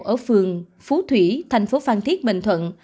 ở phường phú thủy thành phố phan thiết bình thuận